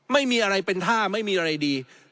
ไม่มีอะไรเป็นท่าไม่มีอะไรดี